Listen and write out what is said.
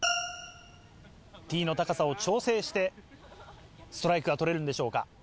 ティーの高さを調整してストライクは取れるんでしょうか？